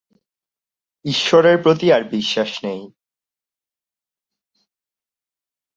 ঈশ্বরের প্রতি তার বিশ্বাস নেই।